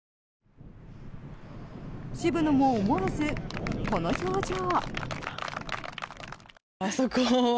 渋野も思わずこの表情。